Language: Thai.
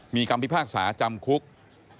มีคำพิพากษาจำคุกนายสุเทพนะครับ